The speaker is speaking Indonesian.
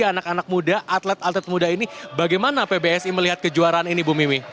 anak anak muda atlet atlet muda ini bagaimana pbsi melihat kejuaraan ini bu mimi